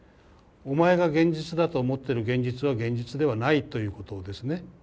お前が現実だと思っている現実は現実ではないということをですね。